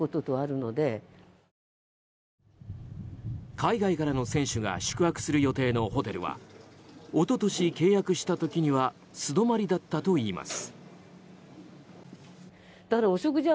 海外からの選手が宿泊する予定のホテルは一昨年、契約した時には素泊まりだったといいます。